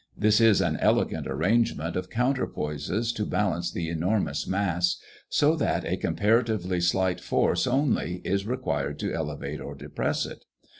There is an elegant arrangement of counterpoises to balance the enormous mass, so that a comparatively slight force only is required to elevate or depress it.